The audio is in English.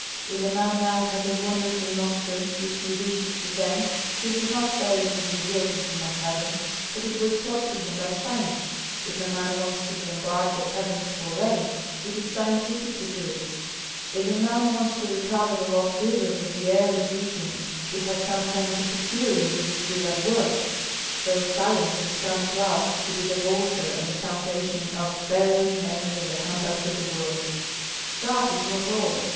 If a man now has a wonderful nostrum which he wishes to vend, he does not say it was revealed to him by heaven, but it Avas taught to him by sci ence ; if a man wants to bombard the heavens for rain, it is scientific to do it ; if a man wants to recover the lost rivers of the arid regions, he has some scientific theory on which to do that work. So science has come at last to be the bolster and the foundation of very many of the humbugs of the world. That is not all.